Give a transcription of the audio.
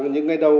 những ngày đầu